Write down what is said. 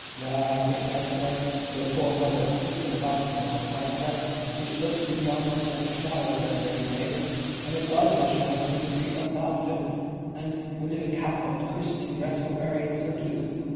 "Ah, I think I shall see your poor mother flitting about in her white dress, which looked to me almost like a shroud that very day; and it was her shroud only three months after; and your little cap and christening dress were buried with her too.